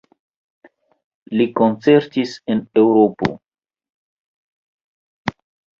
Li koncertis en Eŭropo.